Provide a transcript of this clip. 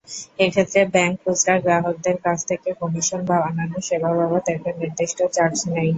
এক্ষেত্রে ব্যাংক খুচরা গ্রাহকদের কাছ থেকে কমিশন বা অন্যান্য সেবা বাবদ একটা নির্দিষ্ট চার্জ নেয়।